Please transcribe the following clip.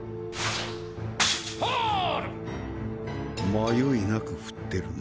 迷いなく振ってるな。